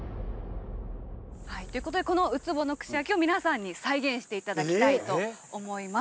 ということでこのウツボの串焼きを皆さんに再現して頂きたいと思います。